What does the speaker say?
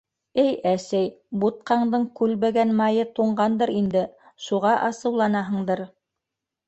— Әй әсәй, бутҡаңдың күлбегән майы туңғандыр инде, шуға асыуланаһыңдыр.